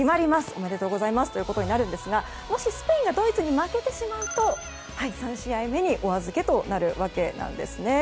おめでとうございますということになるんですがもしスペインがドイツにも勝つと３試合お預けとなります。